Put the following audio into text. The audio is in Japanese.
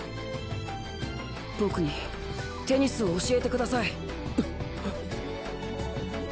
僕にテニスを教えてください。